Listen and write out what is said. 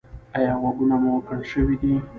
ایا غوږونه مو کڼ شوي دي؟